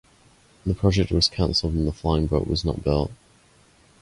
The project was cancelled and the flying boat was not built.